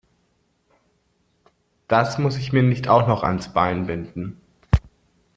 Das muss ich mir nicht auch noch ans Bein binden.